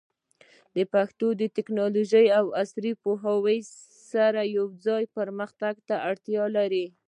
پښتو ژبه د ټیکنالوژۍ او عصري پوهې سره یوځای پرمختګ ته اړتیا لري.